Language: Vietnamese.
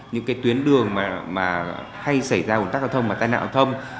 những tuyến đường hay xảy ra nguồn tác giao thông và tai nạn giao thông